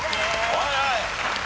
はいはい。